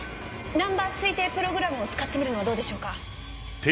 ナンバー推定プログラムを使ってみるのはどうでしょうか。